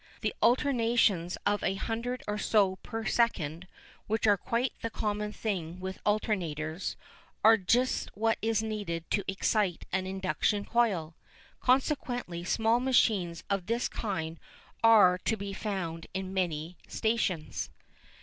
The alternations of a hundred or so per second, which are quite the common thing with alternators, are just what is needed to excite an induction coil. Consequently small machines of this kind are to be found in many stations.